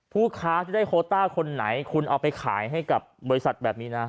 ผู้ค้าจะได้โคต้าคนไหนคุณเอาไปขายให้กับบริษัทแบบนี้นะ